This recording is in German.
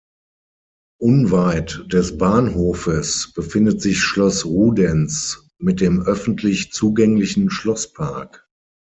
Unweit des Bahnhofes befindet sich Schloss Rudenz mit dem öffentlich zugänglichen Schlosspark.